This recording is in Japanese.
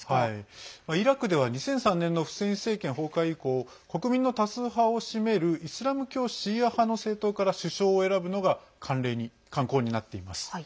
イラクでは、２００３年のフセイン政権崩壊以降国民の多数派を占めるイスラム教シーア派の政党から首相を選ぶのが慣行になっています。